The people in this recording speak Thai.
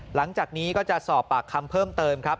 หลังจากนี้ก็จะสอบปากคำเพิ่มเติมครับ